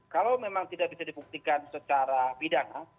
kalau memang tidak bisa dibuktikan secara pidana